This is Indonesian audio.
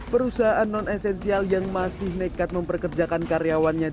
perusahaan non esensial yang masih nekat memperkerjakan karyawannya